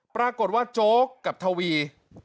ปรากฏว่าโจ๊กกับทวี